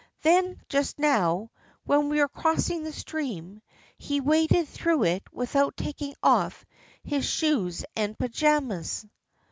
"Then, just now, when we were crossing the stream, he waded through it without taking off his shoes and pajamas."